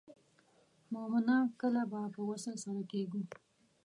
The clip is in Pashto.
مومنه کله به په وصل سره کیږو.